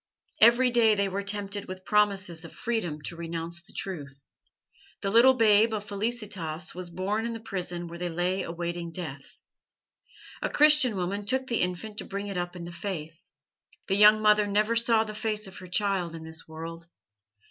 Every day they were tempted with promises of freedom to renounce the Truth. The little babe of Felicitas was born in the prison where they lay awaiting death. A Christian woman took the infant to bring it up in the Faith. The young mother never saw the face of her child in this world.